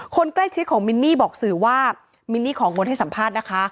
คนใกล้ชิดของมินนี่บอกสื่อว่ามินนี่ของงดให้สัมภาษณ์นะคะ